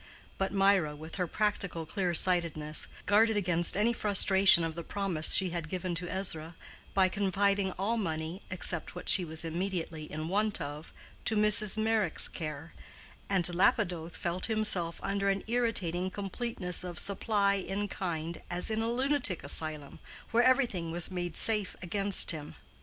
But Mirah, with her practical clear sightedness, guarded against any frustration of the promise she had given to Ezra, by confiding all money, except what she was immediately in want of, to Mrs. Meyrick's care, and Lapidoth felt himself under an irritating completeness of supply in kind as in a lunatic asylum where everything was made safe against him.